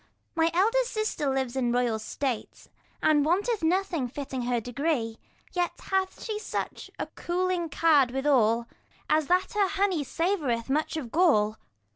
Myeldest sister lives in royal state, And wanteth nothing fitting her degree : 10 Yet hath she such a cooling card withal, As that her honey savoureth much of gall.